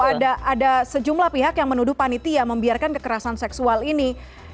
ada sejumlah pihak yang menuduh panitia membiarkan kekerasan seksual ini